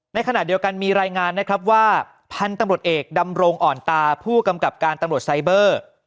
ในขณะเดียวกันมีรายงานนะครับว่าพันธุ์ตำรวจเอกดำรงอ่อนตาผู้กำกับการตำรวจไซเบอร์